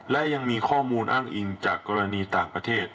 และยังมีข้อมูลอ้างอิงจากกรณีต่างประเทศ